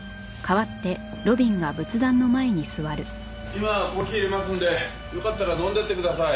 今コーヒー入れますんでよかったら飲んでいってください。